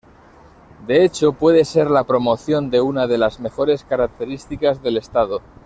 De hecho, puede ser la promoción de una de las mejores características del estado-.